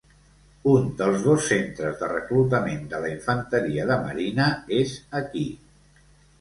Un dels dos centres de reclutament de la infanteria de marina és aquí.